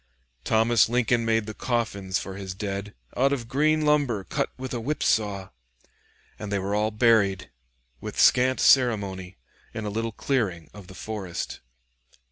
Thomas Lincoln made the coffins for his dead "out of green lumber cut with a whipsaw," and they were all buried, with scant ceremony, in a little clearing of the forest.